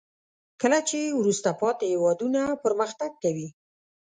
کله چې وروسته پاتې هیوادونه پرمختګ کوي.